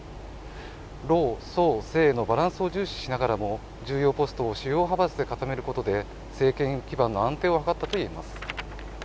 老・壮・青のバランスを重視しながらも重要ポストを主要派閥で固めることで政権基盤の安定を図ったと言えます